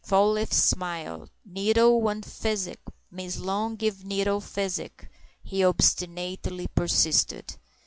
Fall leaf smiled. "Nettle want physic—Miss Long give Nettle physic," he obstinately persisted.